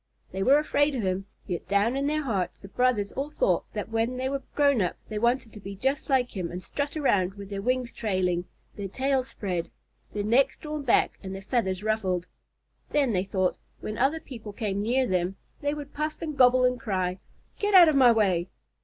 They were afraid of him, yet down in their hearts the brothers all thought that when they were grown up they wanted to be just like him and strut around with their wings trailing, their tails spread, their necks drawn back, and their feathers ruffled. Then, they thought, when other people came near them, they would puff and gobble and cry, "Get out of my way!"